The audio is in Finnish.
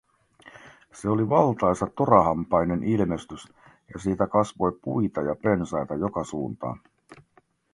Se oli valtaisa torahampainen ilmestys ja siitä kasvoi puita ja pensaita joka suuntaan.